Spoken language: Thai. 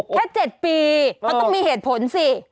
แค่๗ปีเขาต้องมีเหตุผลสิ